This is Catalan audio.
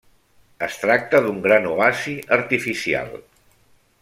Es tracta d'un gran oasi artificial.